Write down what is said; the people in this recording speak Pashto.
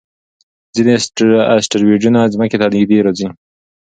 ځینې اسټروېډونه ځمکې ته نږدې راځي.